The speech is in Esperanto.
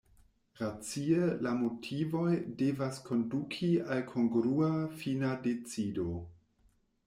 Racie la motivoj devas konduki al kongrua fina decido.